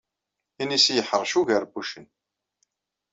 Inisi yeḥṛec ugar n wuccen.